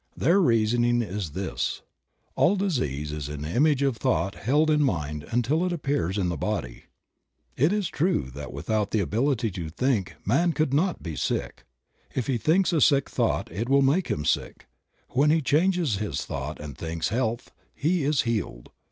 Their reasoning is this: "All disease is an image of thought held in mind until it appears in the body." It is true that without the ability to think man could not be sick. If he thinks a sick thought it will make him sick ; when he changes his thought and thinks health, he is healed.